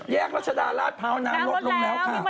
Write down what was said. แยกราชดาราจพาวน้ำรถลงแล้วค่ะ